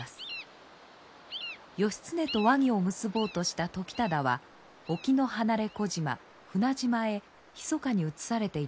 義経と和議を結ぼうとした時忠は沖の離れ小島船島へひそかに移されていたのです。